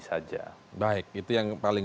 saja baik itu yang paling